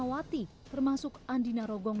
yang berarti termasuk andina rogong